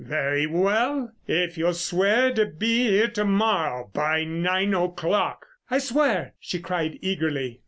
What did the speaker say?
"Very well—if you'll swear to be here to morrow by nine o'clock!" "I swear!" she cried eagerly.